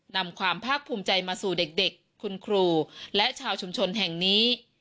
นำความภาคภูมิใจมาสู่เด็กคุณครูและชาวชุมชนแห่งนี้